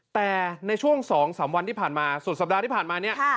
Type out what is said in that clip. แต่ในช่วง๒๓วันที่ผ่านมาสุดสัปดาห์ที่ผ่านมาเนี่ย